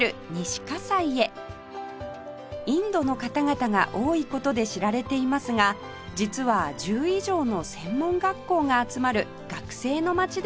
インドの方々が多い事で知られていますが実は１０以上の専門学校が集まる学生の街でもあります